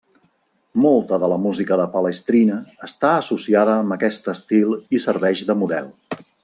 Molta de la música de Palestrina està associada amb aquest estil i serveix de model.